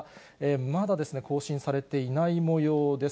まだ更新されていないもようです。